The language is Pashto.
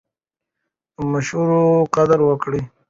د مشورو قدر وکړئ.